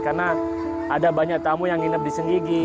karena ada banyak tamu yang hidup di senggigi